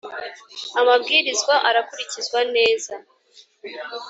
Amabwirizwa arakurikizwa neza